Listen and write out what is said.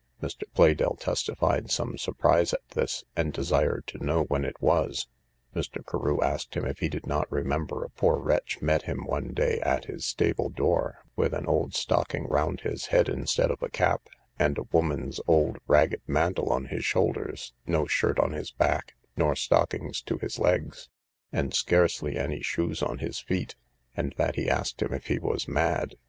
Mr. Pleydell testified some surprise at this, and desired to know when it was. Mr. Carew asked him if he did not remember a poor wretch met him one day at his stable door with an old stocking round his head instead of a cap, and a woman's old ragged mantle on his shoulders, no shirt on his back, nor stockings to his legs, and scarce any shoes on his feet; and that he asked him if he was mad?